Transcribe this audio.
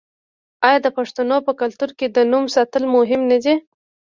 آیا د پښتنو په کلتور کې د نوم ساتل مهم نه دي؟